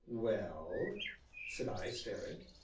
"Well?" said I, staring.